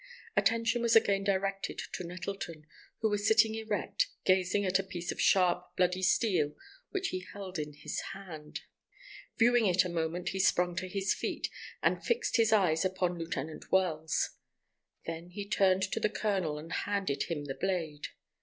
Attention was again directed to Nettleton, who was sitting erect, gazing at a piece of sharp, bloody steel which he held in his hand. Viewing it a moment, he sprung to his feet, and fixed his eyes upon Lieutenant Wells. Then he turned to the colonel and handed him the blade.